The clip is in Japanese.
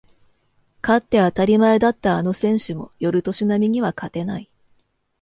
勝って当たり前だったあの選手も寄る年波には勝てない